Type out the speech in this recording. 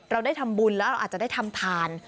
เราได้ทำบุญแล้วเราอาจจะได้ทำทาน